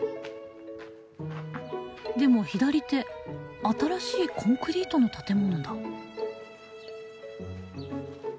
でも左手新しいコンクリートの建物だ。